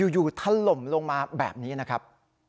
อยู่ทะลมลงมาแบบนี้นะครับ